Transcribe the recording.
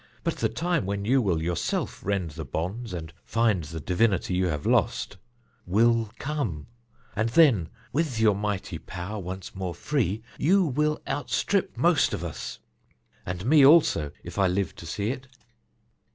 But the time when you will yourself rend the bonds and find the divinity you have lost, will come, and then, with your mighty power once more free, you will outstrip most of us, and me also if I live to see it."